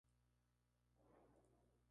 Anteriormente había ejercido la medicina.